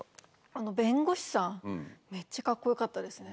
あの弁護士さんめっちゃカッコよかったですね。